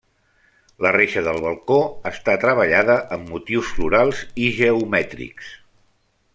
La reixa del balcó està treballada amb motius florals i geomètrics.